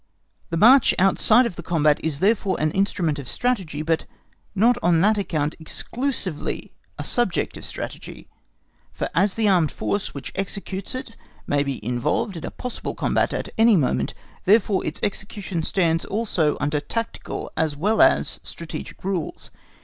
The march outside of the combat is therefore an instrument of strategy, but not on that account exclusively a subject of strategy, for as the armed force which executes it may be involved in a possible combat at any moment, therefore its execution stands also under tactical as well as strategic rules.